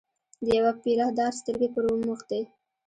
د یوه پیره دار سترګې پر وموښتې.